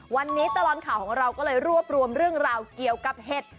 วันนี้ตลอดข่าวของเราก็เลยรวบรวมเรื่องราวเกี่ยวกับเห็ด